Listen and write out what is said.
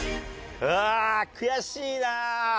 ああ悔しいな！